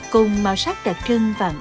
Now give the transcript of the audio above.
cùng màu sắc đặc trưng vàng ôm